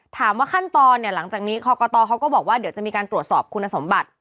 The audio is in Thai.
ขั้นตอนเนี่ยหลังจากนี้กรกตเขาก็บอกว่าเดี๋ยวจะมีการตรวจสอบคุณสมบัติ